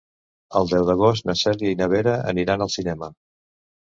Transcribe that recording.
El deu d'agost na Cèlia i na Vera aniran al cinema.